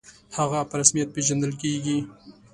«هغه» په رسمیت پېژندل کېږي.